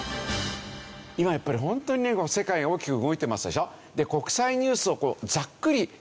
今やっぱりホントにね世界が大きく動いてますでしょ。